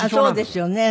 そうですよね。